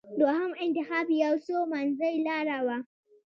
دوهم انتخاب یو څه منځۍ لاره وه.